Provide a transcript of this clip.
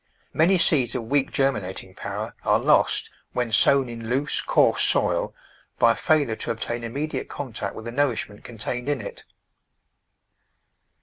Many seeds of weak germinating power are lost when sown in loose, coarse soil by failure to obtain immediate contact with the nourishment contained in it.